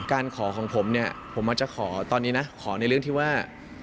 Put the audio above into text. การขอของผมเนี่ยผมอาจจะขอตอนนี้นะขอในเรื่องที่ว่า